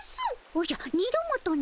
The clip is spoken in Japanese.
おじゃ２度もとな？